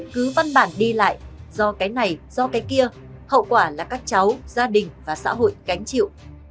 cứ văn bản đi lại do cái này do cái kia hậu quả là các cháu gia đình và xã hội gánh chịu